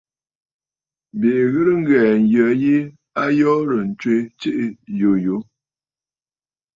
Bìʼì ghɨ̀rə ŋghɛ̀ɛ̀ ǹyə yi, a yoorə̀ ǹtswe tsiiʼì yùyù.